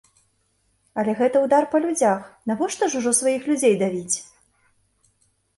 Але гэта ўдар па людзях, навошта ж ужо сваіх людзей давіць?